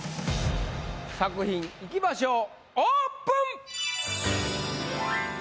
作品いきましょうオープン。